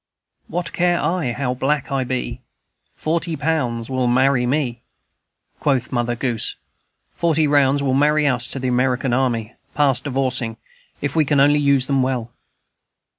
"What care I how black I be? Forty pounds will marry me," quoth Mother Goose. Forty rounds will marry us to the American Army, past divorcing, if we can only use them well.